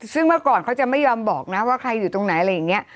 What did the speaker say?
ซึ่งเมื่อก่อนเขาจะไม่ยอมบอกนะว่าใครอยู่ตรงไหนอะไรอย่างนี้